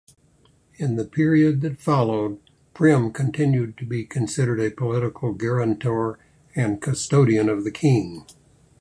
In the period that followed, Prem continued to be considered a political guarantor and custodian of the king.